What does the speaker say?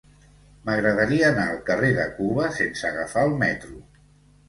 M'agradaria anar al carrer de Cuba sense agafar el metro.